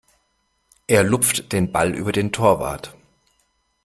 Er lupft den Ball über den Torwart.